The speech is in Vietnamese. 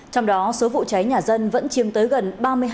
trong đó số vụ cháy nhà dân vẫn chiếm tới gần ba mươi hai